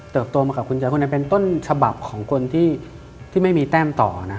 โตมากับคุณใจคนนั้นเป็นต้นฉบับของคนที่ไม่มีแต้มต่อนะ